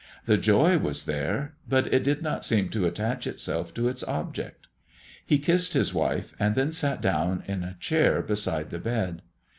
The joy was there, but it did not seem to attach itself to its object. He kissed his wife, and then sat down in a chair beside the bed.